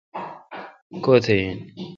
کو°تھہ ان